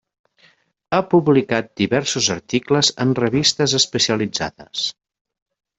Ha publicat diversos articles en revistes especialitzades.